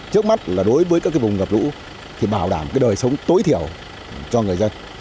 trước mắt là đối với các vùng ngập lũ thì bảo đảm đời sống tối thiểu cho người dân